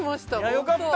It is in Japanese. よかった！